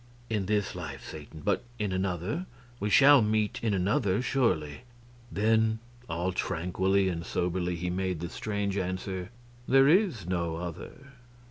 "In this life, Satan, but in another? We shall meet in another, surely?" Then, all tranquilly and soberly, he made the strange answer, "There is no other."